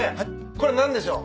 これ何でしょう？